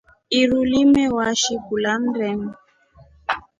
Iru limewashi kula mndeni.